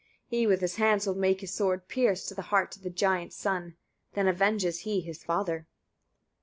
He with his hands will make his sword pierce to the heart of the giant's son: then avenges he his father.